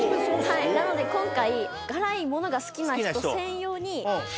なので今回辛いものが好きな人専用に。